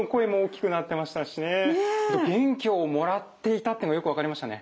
元気をもらっていたっていうのよく分かりましたね。